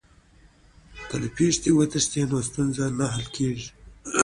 که له پېښي وتښتې نو ستونزه نه حل کېږي.